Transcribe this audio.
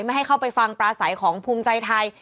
ให้เข้าไปฟังปลาใสของภูมิใจไทย